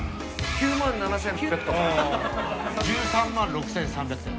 １３万６，３００点。